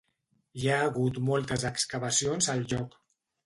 Hi ha hagut moltes excavacions al lloc.